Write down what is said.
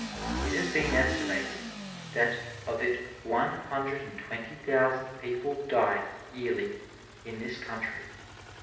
It has been estimated that of it one hundred and twenty thousand people die yearly in this country.